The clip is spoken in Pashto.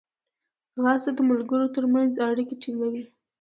ځغاسته د ملګرو ترمنځ اړیکې ټینګوي